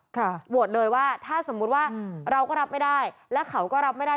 โหวตเลยว่าถ้าสมมุติว่าเราก็รับไม่ได้และเขาก็รับไม่ได้